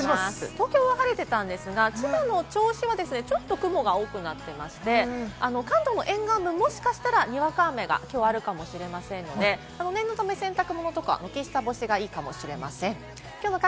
東京は晴れてたんですが、千葉の銚子はちょっと雲が多くなってまして、関東の沿岸部、もしかしたら、にわか雨がきょうあるかもしれませんので、念のため洗濯物とか軒下干しがいいかもしれません。